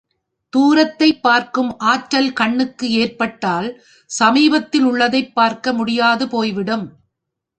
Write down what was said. தூரத்தைப் பார்க்கும் ஆற்றல் கண்ணுக்கு ஏற்பட்டால், சமீபத்திலுள்ளதைப் பார்க்க முடியாது போய்விடும்.